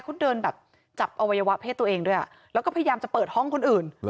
เขาเดินแบบจับอวัยวะเพศตัวเองด้วยแล้วก็พยายามจะเปิดห้องคนอื่น